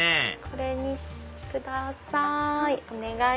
これください